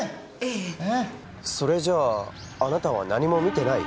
ええ。それじゃああなたは何も見てない？